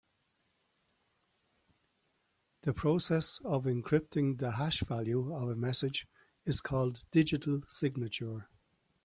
The process of encrypting the hash value of a message is called digital signature.